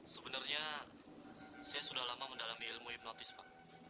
sebenarnya saya sudah lama mendalami ilmu hipnotis pak